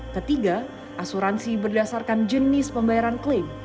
ketiga asuransi berdasarkan jenis pembayaran klaim